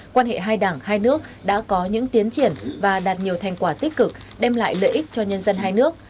quan hệ hai đảng hai nước đã có những tiến triển và đạt nhiều thành quả tích cực đem lại lợi ích cho nhân dân hai nước